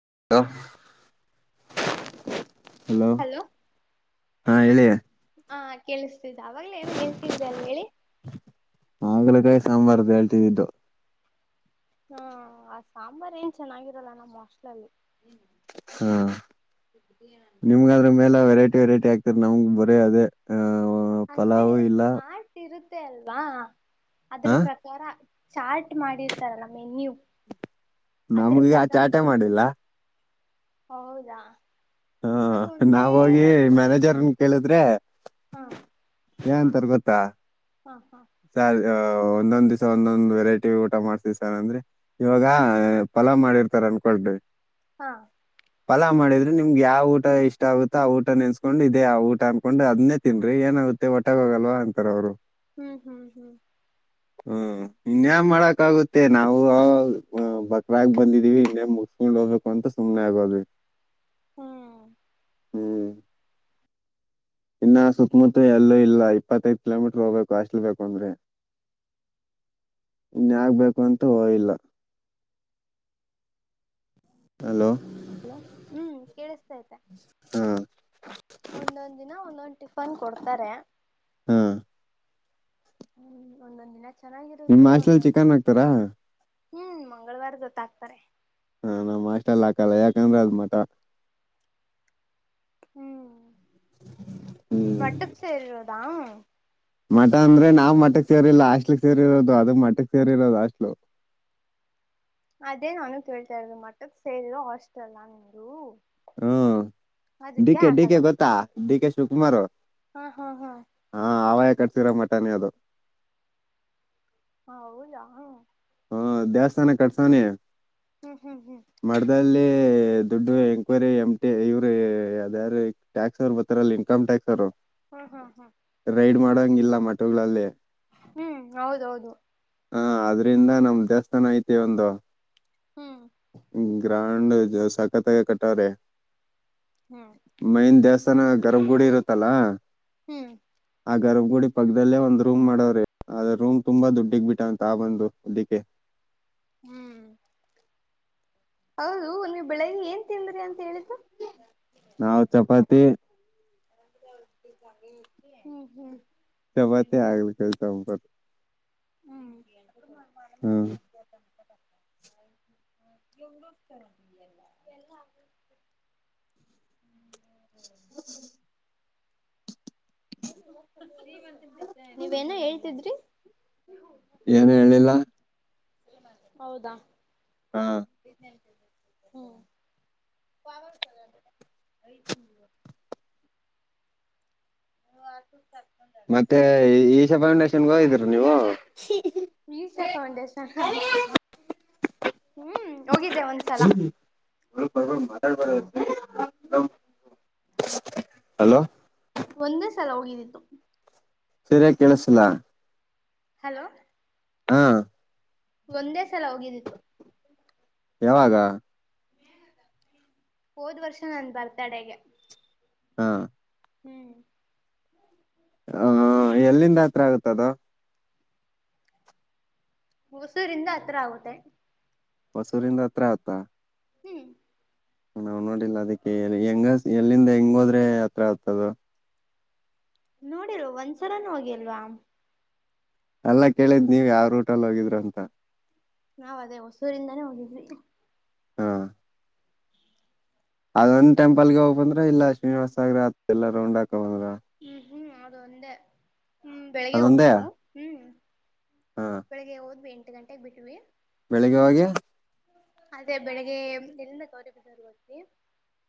[inaudible] hello ಹಾ ಹೇಳಿಯ ಹಾ ಕೇಳಿಸ್ತಿದ್ದ ಅವಾಗ್ಲೇ ಏನ ಹೇಳ್ತಿದ್ರಿ ಅಲ್ ಹೇಳಿ ಮಗ್ಲಕಾಯಿ ಸಾಂಬಾರ್ದು ಹೇಳ್ತಿದ್ದಿದ್ದು ಹ್ಮ ಆ ಸಾಂಬಾರ್ ಏನ್ ಚೆನ್ನಾಗಿರಲ್ಲ ನಮ್ಮ್ ವಸ್ಟ್ಲಲ್ಲಿ ಹಾ ನಿಮ್ಗದ್ರ ಮೇಲೆ ವೆರೈಟಿ ವೆರೈಟಿ ಆಗ್ತರ್ ನ್ ಬರೇ ಅದೇ ಅಂದ್ರೆ ಪಲಾವ್ ಇಲ್ಲ ಚಾಟ್ ಇರುತ್ತೆ ಅಲ್ವಾ ಅದ್ರ ಹಾ ಪ್ರಕಾರ ಚಾರ್ಟ್ ಮಾಡಿರ್ತಾರಲ್ಲ ಮೆನ್ಯೂ ಅದ್ರ ನಮ್ಗ ಆ ಪ್ರಕಾರ ಚಾಟೆ ಮಾಡಿಲ್ಲ ಕೊಡ್ತಾರೆ ಹೌದಾ ಹಾ ಮತ್ತೆ ಒಂದೇ ನಾವ ಹೋಗಿ ಮ್ಯಾನೇಜರ್ನ್ ಕೇಳಿದ್ರೆ ಹಾ ಏ ಅಂತಾರ ಗೊತ್ತಾ ಹಾ ಹಾ [inaudible] [inaudible] ಒಂದೊಂದ್ ದಿವ್ ಒಂದೊಂದ್ ವೆರೈಟಿ ಊಟ ಮಾಡ್ಸ ಸಾರ್ ಅಂದ್ರೆ ಇವಾಗ ಫಲಾವ ಮಾಡಿರ್ತಾರ ಅನ್ಕೊಂಡ್ರಿ ಹಾ ಫಲ ಮಾಡಿದ್ರಿ ನಿಮ್ಗೆ ಯಾವ ಊಟ ಇಷ್ಟ ಆಗುತ್ತೋ ಆ ಊಟ ನೆನ್ಸ್ಕೊಂಡು ಇದದೆ ಆ ಊಟ ಅನ್ಕೊಂಡು ಅದನ್ನೇ ತಿನ ಏನ ನಾಗುತ್ತೆ ಒಟಾಗ ಹೋಗಲ್ವಾ ಅಂತಾರ ಅವ್ರು ಹ್ಮ್ ಹ್ಮ್ ಹ್ಮ್ ಹ್ಮ ಇನ್ಯ ಮಾಡಕ್ ಆಗುತ್ತೆ ನಾವು ಬಕ್ರಾಗ ಬಂದಿದೀವಿ ಇನ್ನೇ ಮು ಸ್ೋಗಕ ಅಂತ ಸುನೆಾಗಗದು ಹ್ಮ್ ಹ ಇನ್ನ ಸುತ್ತಮುತ್ತ ಎಲ್ಲೂ ಇಲ್ಲ ಇಪ್ಪತ್ತೈದ ಕಿಲೋಮೀಟರ್ ಹೋಗ್ಬೇಕು ಅಷ್ಟಲ್ ಬೇಕು ಅಂದ್ರೆ ಇನ್ಯಗ್ಬೇಕು ಅಂತ ಹೋ ಇಲ್ಲ ಹಲೋ ಲ ಹ್ಮ್ ಕೇಳಿಸತತೆ ಹಾ ಒಂದೊಂದ್ ದಿನ ಒಂದೊಂ ಟಿಫನ್ ಕೊಡ್ತಾರೆ [inaudible] ಹ್ಮ್ ಒಂದೊಂದ್ ದಿನ ನಿಮ್ಮ ಚೆನ್ನಾಗಿರುತ್ತೆ ಹಾಸ್ಟೆಲ್ ಒಂದೊಂದ್ ಚಿಕನ್ ಹಾಕ್ತಾರಾ ಹ್ಮ್ ಮಂಗಳವಾರ ಗೊತ್ತಾಗಕ್ತಾರೆ ಹಾ ನಮ್ಮ ಮಾಷ್ಟ ಎಲ್ಲ ಹಾಕಲ್ಲ ಯಾಕಂದ್ರ ಅದ ಮಟ ಹ್ಮ್ ಹ್ಮ್ ಮಟ್ಟಕ್ಕೆ ಸೇರದಾ ಮಠ ಅಂದ್ರೆ ನಾವವು ಮಠಕ್ ಸೇರಿಲ್ಲ ಅಷ್ಟಲಿಕ್ ಸೇರಿರೋದು ಅದು ಮಠಕ್ಕೆ ಸೇರಿರೋದು ಅಷ್ಟಲು ಅದೇ ನಾನು ಕೇಳ್ತಾರಿ ಮತ್ತದ ಸೇರಿರ ಹಾಸ್ಟೆಲ್ ನೀರು ಹ್ಮ ಡಿ ಕೆ ಡಿ ಕೆ ಗೊತ್ತಾ ಡಿ ಕೆ ಶಿವಕುಮಾರ್ ಹಾ ಹಾ ಹಾ ಕಟ್ತೀರ ಮಟಾನೆ ಅದು ಹೌದಾ ದೇವಸ್ಥಾನ ಕಟ್ಸನಿ ಹ್ಮ್ ಹ್ಮ್ ಹ್ಮ್ ಮಡದಲ್ಲಿ ದುಡ್ಡು ಎಂಕ್ವೈರಿ ಎಮಟಿ ಇವ್ರು ಯಾವ ಯಾರ ಟ್ಯಾಕ್ಸ್ ಅವರು ಬರ್ತಾರಲ್ಲ ಇನ್ಕಮ್ ಟ್ಯಾಕ್ಸ್ರು ಹ್ಮ್ ಹ್ಮ್ ಹ್ಮ್ ರೈಡ್ ಮಾಡೋಂಗಲ್ಲ ಮಠಗಳಲ್ಲಿ ಹೂ ಹೌದೌದು ಹಾ ಆದದ್ರಿಂದ ನಮ ದೇವಸ್ಥಾನ ಐತಿ ಒಂದು ಹೂ ಬ್ರಾಂಡ್ ಸಾಕತ್ಾಗ ಕಟ್ಟಾರೆ ಹೂ ನ ಗರ್ಭ ಗುಡಿ ಇರುತ್ತಲ್ಲಾ ಹೂ ಆ ಗರ್ಭಗುಡಿ ಪಕ್ಕದಲ್ಲೇ ಒಂದ್ ರೂಮ್ ಮಾಡೋ್ರ ಅ ಆದ್ರ ರೂಮ್ ತುಂಬಾ ದುಡ್ಡಿಗ್ ಬಿಟ್ಟ ಅಂತ ಆ ಬಂದು ಅದಕ್ಕೆ ಹೂ ಹೌದು ನೀವು ಬೆಳಗ್ಲಿ ಏನ್ ತಿಂದ್ರಿ ಅಂತ ಹೇಳ ನಾವು ಚಪಾತಿ ಹೂ ಹೂ ಚಪಾತಿ ಹಾಗಲಕಾಯಿ ಸಾಂಬರ್ ನ ತರ ಎಲ್ಲ ಹೂ [unintelligible] [inaudible] ನೀವೇನ ಹೇಳ್ತಿದ್ರಿ ಏನು ಹೇಳಿಲ್ಲ ಹೌದಾ ಹಾ ಹೂ ಪವತಲ್ಲ ಹ ಆಟ ಸ ಮತ್ತೆ ಈಶಾ ಫೌಂಡೇಶನ್ಗ ಹೋಗಿದ್ರನೀವು ಈಸ ಪೌಂಡೇಶ ಹ ಹೂ ಹೋಗಿದ್ದೆ ಒಂದ್ಸಲ ಮಾ ಹಲೋ ಒಂದೇ ಸಲ ಹೋಗಿದೀದ್ದು ಸರಿ ಕೇಳಸಲ ಹಲೋ ಹಾ ಒಂದೇ ಸಲ ಹೋಗಿದ್ದಿದ್ದು ಯಾವಾಗ ಹೋದ್ ವರ್ಷ ನನ್ ಬರ್ತಡೆಗೆ ಹಾ ಹೂ ಹ ಎಲ್ಲಿಂದ ಹತ್ರ ಆಗುತ್ತದ ಅದು ಹೊಸೂರಿಂದ ಹತ್ರ ಆಗುತ್ತೆ ಹೊಸೂರಿಿಂದ ಹತ್ರ ಆಗುತ್ತಾ ಹೂ ನಾವ್ ನೋಡಿಲ್ಲ ಅದಕ್ಕೆ ಹೆಂಗ ಎಲ್ಲಿಂದ ಹೆಂಗ ಹೋದ್ರೆ ಹತ್ರ ಆಗುತ್ತೆ ಅದು ನೋಡಿಲ್ವಾ ಒಂದ್ಸರಾನೂ ಹೋಗಿಲ್ವಾ ಅಲ್ಲ ಕೇಳಿದ್ ನೀವ್ ಯಾವ ರೂಟಲ್ಲಿ ಹೋಗಿದ್ರಿ ಅಂತ ನಾವ್ ಅದೇ ಹೊಸೂರಿಂದಾನೇ ಹೋಗಿದ್ವಿ ಹಾ ಅದೊಂದ ಟೆಂಪಲ್ ಗೆ ಹೋಗ್ ಬಂದ್ರೆ ಇಲ್ಲ ಶ್ರೀನಿವಾಸ ಸಗ್ರ ಅತ್ ಎಲ್ಲ ರೌಂಡ್ ಆಗ್ತ ಹ್ಮ್ ಹ್ಮ್ ಅದು ಒಂದೇ ಹ್ಮ್ ಬೆಳಿಗ್ಗೆ ಅದೊಂದೇ ಹೋಗಿತ್ತು ಹಾ ಹ್ಮ್ ಬೆಳಿಗ್ಗೆ ಹೋದ್ವಿ ಎಂಟು ಗಂಟೆೆಗೆ ಬಿಟ್ವಿ ಬೆಳಗ್ಗೆ ಹೋಗಿ ಅದೇ ಬೆಳಿಗ್ಗೆ ಎಲ್ಲಿಂದ ಗೌರಿಬಿದ್ದರು ಹಂತಿ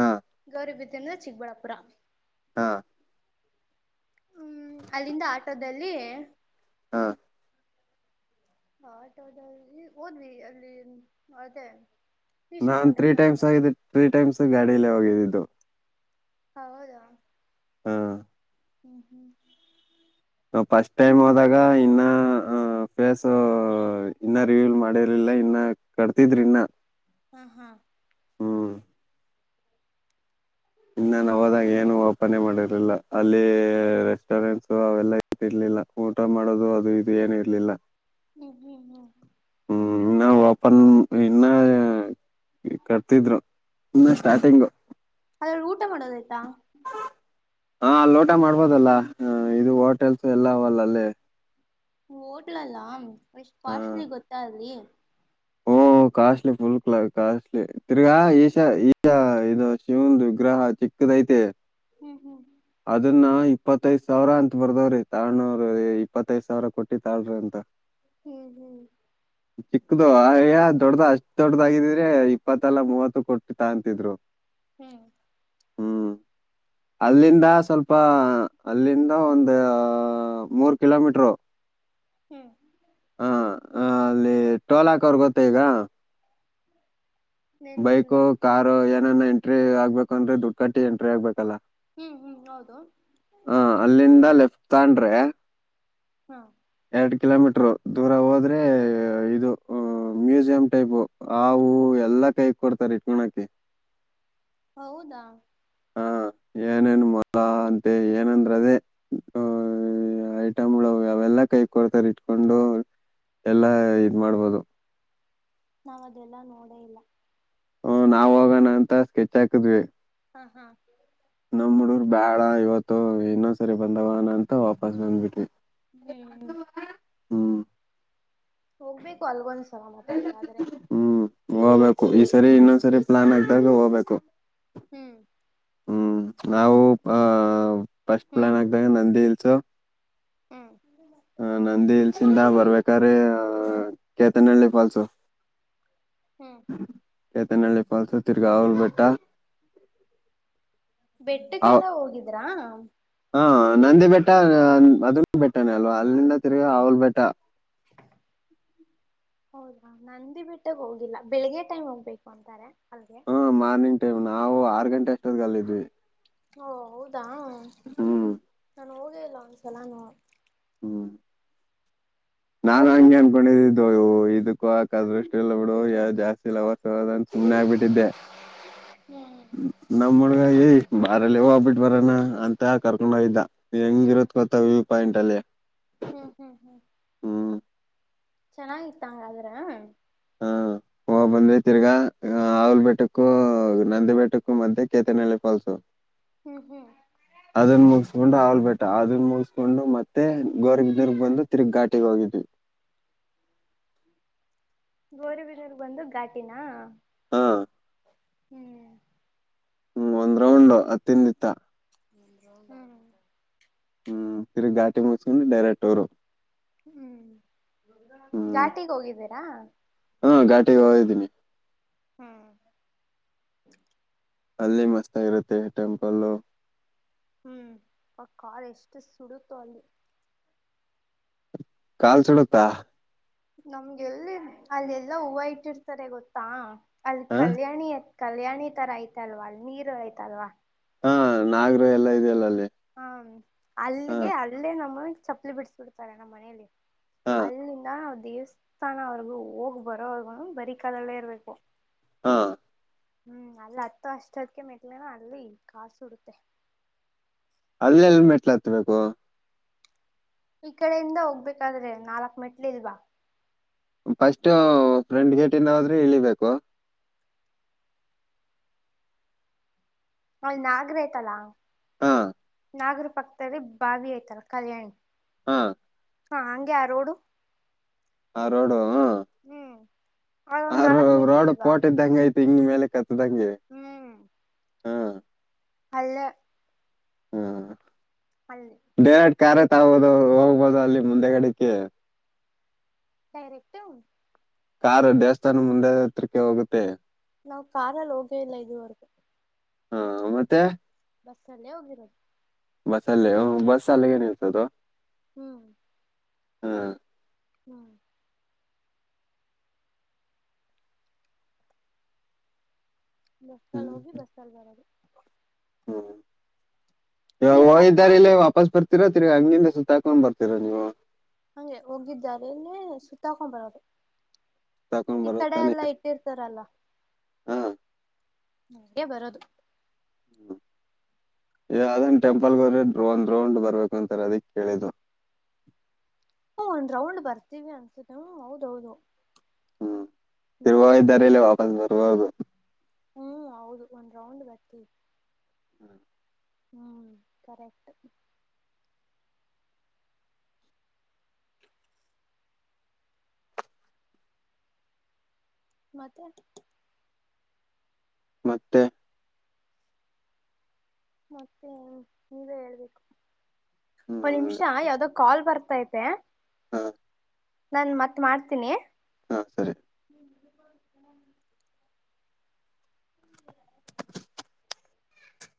ಹಾ ಗೌರವಿಬೀದರ್ ಚಿಕ್ಕಬಳ್ಳಾಪುರ ಹಾ ಹ್ಮ್ ಅಲ್ಲಿಂದ ಆಟೋದಲ್ಲಿ ಹಾ ಹ ಆಟದ ಈ ಹೋದ್ವಿ ಅಲ್ಲಿ ಅದೇ ಈಶಾ ನಾನ್ ತ್ರೀ ಫೌಂಡೇಶನ್ ಟೈಮ್ಸ್ ಹತ್ರ ಆಗಿದ್ದೆ ತ್ರೀ ಟೈಮ್ಸ್ ಗಾಡಿಲ್ಲೇ ಹೋಗಿದ್ದಿದ್ದು ಹೌದಾ ಹ್ಮ್ ಹ್ಮ್ ನಾವ್ ಫಸ್ಟ್ ಟೈಮ್ ಹೋದಾಗ ಇನ್ನ ಫೇಸ್ ಇನ್ನ ರಿವ್ಯೂ ಮಾಡಿರ್ಲಿಲ್ಲ ಇನ್ನ ಕಟ್ತಿದ್ರಿ ಇನ್ನ ಹ್ಮ ಹಾ ಹ್ಮ್ ಇನ್ನ ನಾ ಹೋದಾಗ ಏನು ಓಪನೆ ಮಾಡಿರಲಿಲ್ಲ ಅಲ್ಲಿ ರೆಸ್ಟೋರೆಂಟ್ಸ ಅವೆಲ್ಲಾ ಇಟ್ಟಿರ್ಲಿ ಊಟ ಮಾಡೋದು ಅದು ಇದು ಏನ ಇರ್ಲಿಲ್ಲ ಹ್ಮ್ ಹ್ಮ್ ಹ್ಮ್ ನ್ ಇನ್ನ ಕಟ್ತಿದ್ರು ಇನ್ನ ಸ್ಟಾರ್ಟಿಂಗ್ ಊಟ ಮಾಡೋದಾಯ್ತಾ ಹಾ ಲೋಟ ಮಾಡ್ಬೋದಲ್ಲ ಹ ಇದು ಹೋಟೆಲ್ಸ್ ಎಲ್ಲವಲ್ಲ ಅಲ್ಲಿೇ ಹೋಟ್ಲಲ್ಲಾ ಎಷ್ಟ್ ಹ ಕಾಸ್ಟ್ಲಿ ಗೊತ್ತ ಅಲಿ ಹಓ ಕಾಸ್ಟ್ಲಿ ಫುಲ್ ಕಲ ಕಾಸ್ಟ್ಲಿ ತಿರ್ಗಾ ಈಶ ಈಶ ಇದು ಶಿವಂದು ವಿಗ್ರಹ ಚಿಕ್ಕದಐತೆ ಹ್ಮ್ ಹ್ಮ್ ಇಪ್ಪತ್ತೈದ್ ಸಾವಿರ ಅಂತತ್ ಬರ್ದಾವ್ರೀ ತಗೊಳೊವ್ರು ರ ಇಪ್ಪತ್ತೈದ ಸಾವಿರ ಕೊಟ್ಟಿ ತಾಳ್ರಿ ಅಂತ ಹ್ಮ್ ಹ್ಮ್ ಚಿಕ್ಕದು ದೊಡ್ಡ್ದ ಅಷ್ಟ್ ದೊಡ್ಡದಾಗಿದ್ರೆ ಇಪ್ಪತ್ತಲ್ಲಾ ಮೂವತ್ತು ಕೊಟ್ಟು ತಂತಿದ್ರು ಹ್ಮ್ ಅಲ್ಲಿಂದ ಸ್ವಲ್ಪ ಅಲ್ಲಿಂದ ಒಂದು ಮೂರ್ ಕಿಲೋಮೀಟರು ಹ್ಮ್ ಹ ಅಲ್ಲಿ ಟೋಲಾಕ ಅವರ್ ಗೊತ್ತ ಈಗ ಬೈಕ್ ನೆನ್ಪಿಲ್ಲ ಕಾರು ಏನನ ಎಂಟ್ರಿ ಆಗ್ಬೇಕು ಅಂದ್ರೆ ದುಡ್ಡು ಕಟ್ಟಿ ಎಂಟ್ರಿ ಆಗ್ಬೇಕಲ್ಲ ಹ್ಮ್ ಹ್ಮ್ ಹೌದು ಹ ಅಲ್ಲಿಂದ [inaudible] ಹಾ ಕಿಲೋಮೀಟರು ದೂರ ಹೋದ್ರೆ ಇದು ಮ್ಯೂಸಿಯಂ ಟೈಪ್ ಹವು ಎಲ್ಲ ಕೈ ಕೊಡ್ತಾರ ಇಟ್ಕಣಕ ಹೌದಾ ಹ ಏನೇನ್ ಮೊಲ ಅಂತೆ ಏನಂದ್ರ ಅದೇ ಹ ಐಟಮ್ಗಳು ಅವೆಲ್ಲಾ ಕೈ ಕೊಡ್ತಾರ ಇಟ್ಕೊಂಡು ಎಲ್ಲಾ ಇದ್ ಮಾಡ್ಬೋದು ನಾವ ಅದೆಲ್ಲಾ ನೋಡೇ ಇಲ್ಲ ಹ ನಾವವು ಹೋಗೋಣ ಅಂತ ಸ್ಕೆಚ್ ಹಾಕಿದ್ವಿ ಹಾ ಹಾ ನಮ್ಮ್ ಹುಡೂರ್ ಬ್ಯಾಳ ಇವತ್ತು ಇನ್ನೊ ಸರಿ ಬಂದವಣ ಅಂತ ವಾಪಸ್ ನಂದ್ಬಿಟಿ ಹ್ಮ್ ಹ್ಮ ಹೋಗ್ಬೇಕು ಅಲ್ಗೊಂದ್ಸಲ ಮತ್ತೆ ಹಂಗಾದ್ರೆ ಹ್ಮ್ ಹೋಗ್ಬೇಕು ಈ ಸರಿ ಇನ್ನೊಂದ್ ಸರಿ ಪ್ಲಾನ್ ಆಗ್ದಾಗ ಹೋಗ್ಬೇಕು ಹ್ಮ್ ಹ್ಮ್ ನಾವು ಅ ಫಸ್ಟ್ ಪ್ಲಾನ್ ಆಗದಾಗ ನಂದಿ ಇಲ್ಸು ಹ್ಮ ಹ ನಂದಿ ಇಲ್ಸಿಂದ ಬರ್ಬೇಕ್ರೀ ಕೇತನಹಳ್ಳಿ ಫಾಲ್ಸು ಹ್ಮ್ ಕೆತನಳ್ಳಿ ಪಾಲ್ ಸತರ್ಗ ಅವಲ್ ಬೆಟ್ಟ ಆ- ಬೆಟ್ಟಕ್ಕೆಲ್ಲ ಹೋಗಿದ್ರಾ ಹಾ ನಂದಿ ಬೆಟ್ಟ ಮದ ಬೆಟ್ಟನ ಅಲ್ವಾ ಅಲ್ಲಿಂದ ತಿರುಗಿ ಅವಲ್ ಬೆಟ್ಟ ಹೌದಾ ನಂದಿ ಬಿಟ್ಟಗ ಹೋಗಿಲ್ಲ ಬೆಳಿಗ್ಗೆ ಟೈಮ್ ಹೋಗ್ಬೇಕು ಅಂತಾರೆ ಅಲ್ಗೆ ಹ್ಮ ಮಾರ್ನಿಂಗ್ ಟೈಮ್ ನಾವು ಆರು ಗಂಟೆ ಅಷ್ಟೊದ್ಲ್ದ್ವಿ ಓ ಹೌದಾ ನಾನು ಹೋಗಿಲ್ಲ ಒಂದ್ಸಲಾನ ಹ್ಮ್ ನಾ ಹಂಗೆ ಹೋಗ್ಬೇಕು ಅನ್ಕೊಂಡಿದ್ದಿದ್ದು ಇವು ಇದಕ್ಕ ಆಕದ್ರಷ್ಟ ಎಲ್ಲ ಬಿಡು ಯ ಜಾಸ್ತಿ ಇಲ್ಲವ ಅದನ್ ಸುಮ್ನೆ ಆಗ್ಬಿಟ್ಟಿದ್ದೆ ಹ್ಮ್ ನಮ್ಮ್ ಹಣಗ ಮಾರಲ್ಲಿ ಹೋಗಬಿಟ್ಟು ಬರಣ ಅಂತ ಕರ್ಕೊಂಡ್ ಹೋಗಿದ್ದ ಹೆಂಗಿರುಕೋತ ವ್ಯೂ ಪಾಯಿಂಟ್ ಅಲ್ಲಿ ಹ್ಮ್ ಹ್ಮ್ ಹ್ಮ್ ಹ್ಮ್ ಚೆನ್ನಾಗಿತ್ತಂಗದ್ರ ಹಾ ಹ ಬಂದ್ರೆ ತಿರ್ಗಾ ಆಲ್ ಬೆಟ್ಟಕ್ಕೂ ನಂದಿ ಬೆಟ್ಟಕ್ಕೂ ಮತ್ತೆ ಕೇತನಹಳ್ಳಿ ಫಾಲ್ಸು ಹ್ಮ್ ಅದನ್ನು ಮುಗಿಸಕೊಂಡು ಅವಲ್ಬಟ್ಟ ಅದನ್ನ ಮುಗಿಸಕೊಂಡು ಮತ್ತೆ ಗೋರ್ಗ್ರ್ಗ್ ಬಂದು ತಿರುಗ್ ಗಟಿಗೆ ಹೋಗಿದ್ವಿ ಬೋರಿಬರರ್ ಬಂದು ಘಾಟಿನ ಹಾ ಹ್ಮ್ ಹ್ಮ್ ಒಂದ್ ರೌಂಡ ಹತ್ತಿಂದಿತ್ತ ಹ ಹ್ಮ್ ಸರಿ ಘಾಟಿ ಮುಗಸ್ಕೊಂಡು ಡೈರೆಕ್ಟ್ ಅವರು ಹ್ಮ್ ಘಾಟಿಗೆ ಹೋಗಿದ್ದೀರಾ ಹಾ ಘಾಟಿಗೆ ಹೋಗಿದ್ದೀನಿ ಹ್ಮ್ ಅಲ್ಲಿ ಮಸ್ತ ಆಗರುತ್ತೆ ಟೆಂಪಲ್ಲ ಹ್ಮ್ ಆ ಕಾರ್ ಎಷ್ಟು ಸುಡತೋ ಅಲ್ಲಿ ಕಲ್ ಚಡೋತಾ ನಮ್ಗೆ ಎಲ್ಲಿ ಅಲ್ಲ ಎಲ್ಲಾ ಹೂವ ಇಟ್ಟಿರ್ತಾರೆ ಗೊತ್ತಾ ಅಲ್ಲಿ ಹ ಕಲ್ಯಾಣಿ ಕಲ್ಯಾಣಿ ತರ ಐತಲ್ವಾ ನೀರು ಐ್ತಲ್ವಾ ಹಾ ನಾಗರು ಎಲ್ಲಾ ಇದೆಯಲ್ಲ ಅಲ್ಲಿ ಹ್ಮ ಹಾ ಅಲ್ಲಿಗೆ ಅಲ್ಲೇ ನಮ್ಮ ಚಪ್ಪಲಿ ಬಿಡ್ಸ್ ಬಿಿಡ್ತಾರೆ ನಮ್ಮ್ ಮನೇಲಿ ಹಾ ಅಲ್ಲಿದಾ ದೇವಸ್ಥಾನ ಅವರ್ಗು ಹೋಗ್ ಬರೋವರ್ಗು ಬರಿ ಕಾಲಲ್ಲೇ ಇರ್ಬೇಕು ಹಾ ಹ್ಮ್ ಅಲ್ಲಿ ಹತ್ತು ಅಷ್ಟದ್ಕ ಮೆಟ್ಲೆನ ಅಲ್ಲಿ ಕಾಸು ಉಡುತ್ತೆ ಅಲ್ಲಲ್ಲಿ ಮೆಟ್ಲ ಹತ್ತಬೇಕು ಈ ಕಡೆಯಿಂದ ಹೋಗ್ಬೇಕಾದ್ರೆ ನಾಲ್ಕ್ ಮೆಟ್ಲೆ ಇಲ್ವಾ ಫಸ್ಟ್ ಫ್ರೆಂಡ್ ಗೇಟಿಂದ ಆದ್ರೆ ಇಳಿಬೇಕು ಅಲ್ ನಾಗ್ರ ಆಯ್ತಲ್ಲಾ ಹಾ ನಾಗರ ಪಕ್ಕದಲ್ಲಿ ಬಾವಿ ಐ್ತರ ಕಲ್ಯಾಣಿ ಹಾ ಹಾ ಹಂಗೆ ಯಾರೋಡು ಆ ರೋಡು ಹ ಆ ಅಲ್ಲೊಂದ್ ನಾಲ್ಕ್ ಮೆಟ್ಲು ರೋಡ್ ಇಲ್ವಾ ಪೋಟ ಇದ್ದಂಗ ಐತಿ ಹಂಗ ಮೇಲೆ ಕತ್ತದಂಗೆ ಹ್ಮ್ ಅಲ್ಲ ಹ್ಮ ಅಲ್ಲಿ ಕರೆ ತಗೋದು ಹೋಗ್ಬೋದು ಅಲ್ಲಿ ಮುಂದೆಗಡೆಿಕ ಡೈರೆಕ್ಟ ಕಾರಾರ್ು ದೇವಸ್ಥಾನ ಮುಂದೆ ಹತ್ರಕ್ಕೆ ಹೋಗುತ್ತೆ ನಾವು ಕಾರಲ್ಲಿ ಹೋಗೇ ಇಲ್ಲ ಇದುವರೆಗ ಹಾ ಮತ್ತೆ ಬಸ್ಸಲ್ಲೇ ಹೋಗಿರೋದು ಬಸ್ ಅಲ್ಲೇ ಹ ಬಸ್ ಅಲ್ಲ ಏನ್ ಇರ್ತದ ಹ್ಮ್ ಹಾ ಹ್ಮ್ ಬಸ್ಲ್ಲಿ ಹ್ಮ್ ಹೋಗಿ ಬಸ್ಲ್ಲಿ ಬರೋದು ನೀವೆಲ್ಲಾ ಹೋೋಗ್ದಾರ ಕಾರ್ ಇಲ್ಲ ವಾಪಸ್ ಬರ್ತೀರಾ ತಿರಿಗ ಹಂಗಿಂದ ಸುತ್ತಾಕೊಂಡ್ ಬರ್ತೀರಾ ನೀವು ಹಂಗೆ ಹೋಗಿದ್ದಾರೆಲ್ಲ ಸುತ್ತಾಕೊಂಬರೋ್ರೆ ಸುತ್ತಾಕೊಂಡ್ ಈ ಬರೋದ್ ಕಡೆ ತಾನೇ ಎಲ್ಲಾ ಇಟ್ಟಿರ್ತಾರಲ್ಲ ಹಾ ನಂಗೆ ಬರದು ಯಾವದನ್ ಟೆಂಪಲ್ಗೋದ್ರೆ ್ರೋನ್ ದ್ರೌಂಡ್ ಬರ್ಬೇಕು ಅಂತಾರೆ ಅದಿಕ್ ಕೇಳಿದು ಓ ಒಂದ್ ರೌಂಡ್ ಬರ್ತೀವಿ ಅನ್ಸುತ್ತೆ ಹೌದೌದು ಹ್ಮ್ ತಿರುವ ಹ್ಮ್ ಇದ್ದಾರೆ ಇಲ್ಲಿ ವಾಪಸ್ ಬರುವಾಗ ಹ್ಮ್ ಹೌದು ಒಂದ್ ರೌಂಡ್ ಬತ್ತಿ ಹ್ಮ್ ಹ್ಮ್ ಕರೆಕ್ಟ್ ಮತ್ತೆ ಮತ್ತೆ ಮತ್ತೆ ನೀವೇ ಹೇಳ್ಬೇಕು ಒ್ ನಿಮಿಷ ಹ್ಮ್ ಯಾವ್ದೋ ಕಾಲ್ ಬರ್ತಾ ಇತ್ತು ಹಾ ನನ್ ಮತ್ತ್ ಮಾಡ್ತೀನಿ ಹಾ ಸರಿ ಹೌ